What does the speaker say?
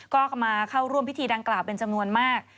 ก็มาเข้าร่วมพิธีดังกล่าวเป็นจำนวนมาก